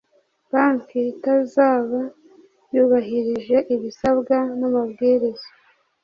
banki itazaba yubahirije ibisabwa n amabwiriza